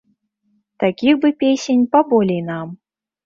Такіх бы песень паболей нам!